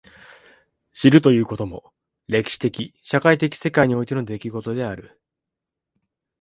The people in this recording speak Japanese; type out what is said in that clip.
知るということも歴史的社会的世界においての出来事である。